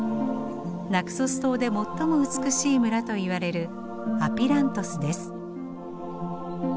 ナクソス島で最も美しい村といわれるアピラントスです。